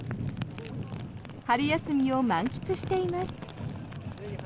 春休みを満喫しています。